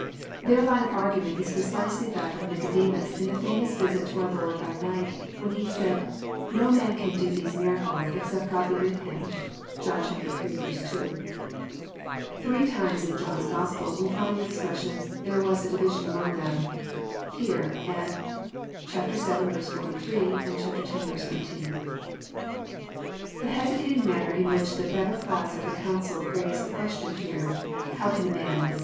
Their line of argnment Is precisely that of Nico demus in the famous visit to our Lord by night, when he said, '< No man can do these miracles except God be with him." (John ill. 2.) ~ Three times in John's Gospel we find that expression, *^ There was a division among them." (Here, and vii. 43» and x. 19.) The hesitating manner in which the better class of the coancil raise the question here, How can a man," etc.